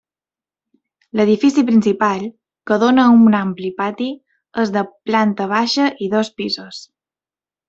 L'edifici principal, que dóna a un ampli pati, és de planta baixa i dos pisos.